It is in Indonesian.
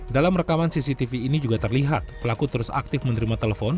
dalam rekaman cctv ini juga terlihat pelaku terus aktif menerima telepon